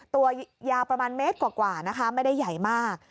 ตัวยาวประมาณเมตรกว่านะคะไม่ได้ใหญ่มาก